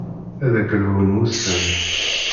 Ad ak-lhun wussan.